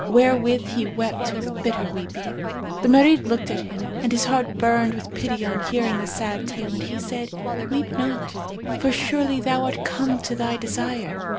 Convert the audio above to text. Herewith he wept with bitter weeping. The Marid looked at him and his heart burned with pity on hearing the sad tale, and he said, 'Weep not, for surely thou art come to thy desire.